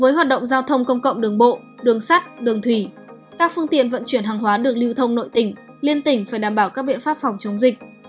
với hoạt động giao thông công cộng đường bộ đường sắt đường thủy các phương tiện vận chuyển hàng hóa được lưu thông nội tỉnh liên tỉnh phải đảm bảo các biện pháp phòng chống dịch